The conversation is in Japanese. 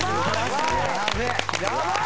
やばい！